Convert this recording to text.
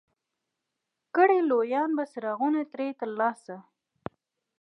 کړي لویان به څراغونه ترې ترلاسه